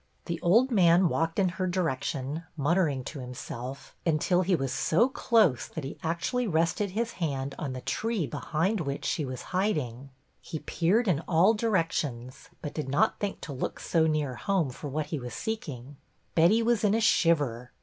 The old man walked in her direction, muttering to himself, until he was so close that he actually rested his hand on the tree behind which she was hiding. He peered in all directions, but did not think to look so near home for what he was seek ing. Betty was in a shiver.